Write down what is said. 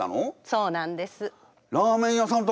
そうなんです。